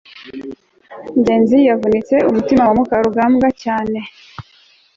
ngenzi yavunitse umutima wa mukarugambwa cyane